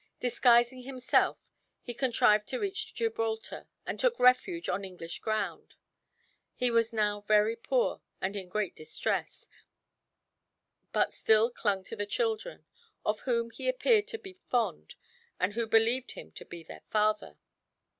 Disguising himself he contrived to reach Gibraltar, and took refuge on English ground. He was now very poor and in great distress, but still clung to the children, of whom he appeared to be fond, and who believed him to be their father.